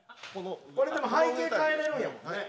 これでも背景変えれるんやもんね。